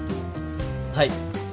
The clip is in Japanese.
はい。